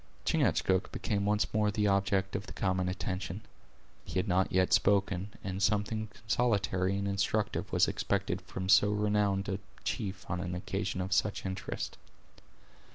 Chingachgook became once more the object of the common attention. He had not yet spoken, and something consolatory and instructive was expected from so renowned a chief on an occasion of such interest.